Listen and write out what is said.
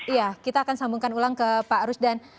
iya kita akan sambungkan ulang ke pak rusdan